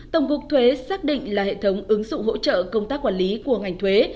tổng cục thuế xác định là hệ thống ứng dụng hỗ trợ công tác quản lý của ngành thuế